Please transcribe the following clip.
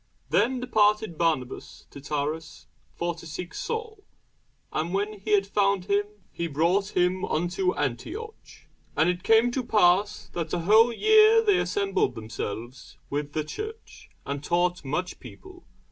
Then departed Barnabas to Tarsus, for to seek Saul: and when he had found him, he brought him unto Antioch. And it came to pass, that a whole year they assembled themselves with the church, and taught much people.